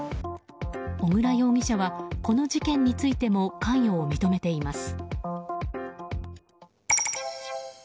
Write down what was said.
小椋容疑者はこの事件についても関与を認めています。